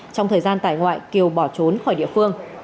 trong thời gian tải ngoại kiều bỏ trốn khỏi địa phương